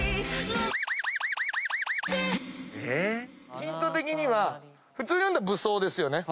ヒント的には普通に読んだら「武装」ですよね。